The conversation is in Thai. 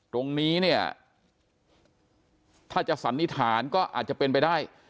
ตรงนี้เนี่ยถ้าจะสันนิษฐานก็อาจจะเป็นไปได้